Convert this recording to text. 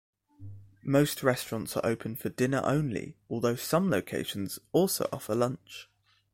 Most restaurants are open for dinner only, although some locations also offer lunch.